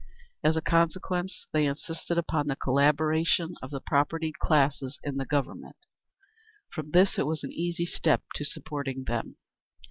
As a consequence, they insisted upon the collaboration of the propertied classes in the Government. From this it was an easy step to supporting them.